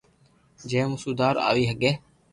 جي مون سودارو آوي ھگي